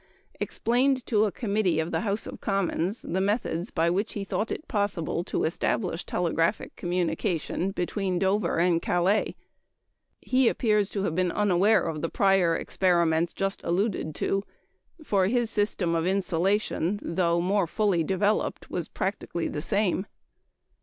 explained to a committee of the House of Commons the methods by which he thought it possible to establish telegraphic communication between Dover and Calais. He appears to have been unaware of the prior experiments just alluded to, for his system of insulation, though more fully developed, was practically the same.